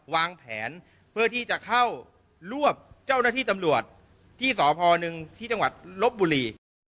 วางแผนเพื่อที่จะเข้ารวบเจ้าหน้าที่ตำรวจที่สพหนึ่งที่จังหวัดลบบุรี